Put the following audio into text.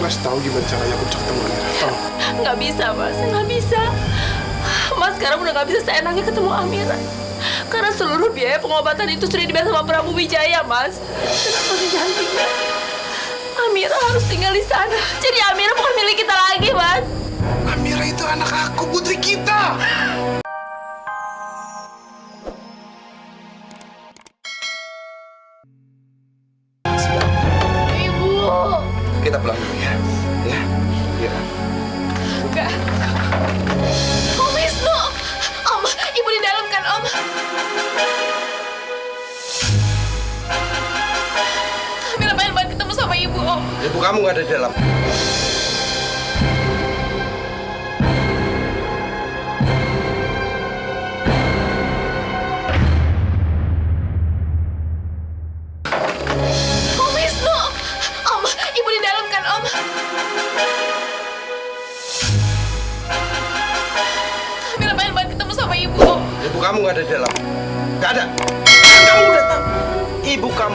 sampai jumpa di video selanjutnya